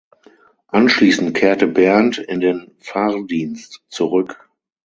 Anschließend kehrte Berndt in den Pfarrdienst zurück.